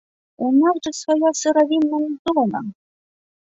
У нас жа свая сыравінная зона!